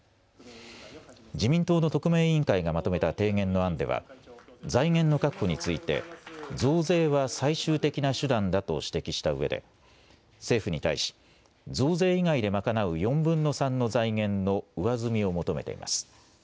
自民党の特命委員会がまとめた提言の案では財源の確保について増税は最終的な手段だと指摘したうえで政府に対し増税以外で賄う４分の３の財源の上積みを求めています。